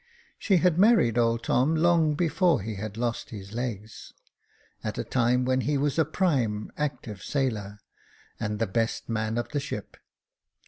She had married old Tom long before he had lost his legs, at a time when he was a prime active sailor, and the best man of the ship.